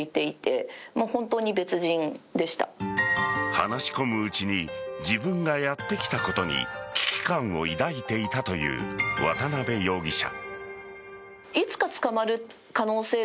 話し込むうちに自分がやってきたことに危機感を抱いていたという渡辺容疑者。